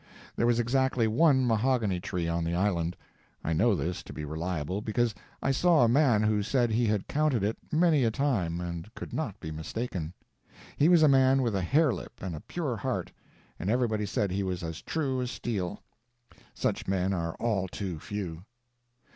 There was exactly one mahogany tree on the island. I know this to be reliable, because I saw a man who said he had counted it many a time and could not be mistaken. He was a man with a harelip and a pure heart, and everybody said he was as true as steel. Such men are all too few.